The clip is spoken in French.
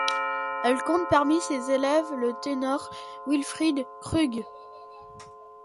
Elle compte parmi ses élèves, le ténor Wilfried Krug.